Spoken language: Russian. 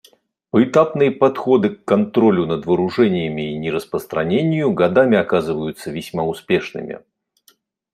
Поэтапные подходы к контролю над вооружениями и нераспространению годами оказываются весьма успешными.